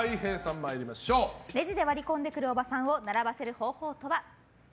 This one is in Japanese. レジで割り込んでくるおばさんを並ばせる方法とは？